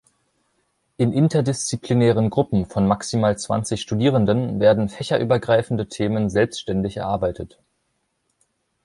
In interdisziplinären Gruppen von maximal zwanzig Studierenden werden fächerübergreifende Themen selbstständig erarbeitet.